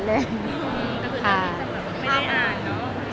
แต่คือไม่ได้อ่านเนอะ